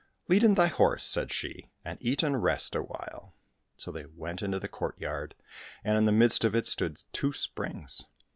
" Lead in thy horse," said she, " and eat and rest awhile." So they went into the courtyard, and in the midst of it stood two springs.